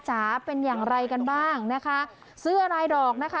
จ๋าเป็นอย่างไรกันบ้างนะคะเสื้อลายดอกนะคะ